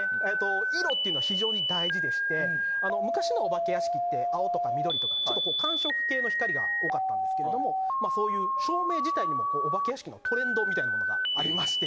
色っていうのは非常に大事でして昔のお化け屋敷って青とか緑とかちょっと寒色系の光が多かったんですけどそういう照明自体にもお化け屋敷のトレンドがあって。